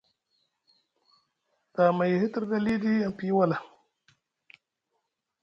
Tamay e hitriɗi aliɗi aŋ piyi wala,